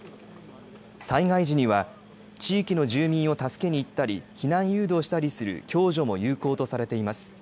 災害時には地域の住民を助けに行ったり避難誘導したりする共助も有効とされています。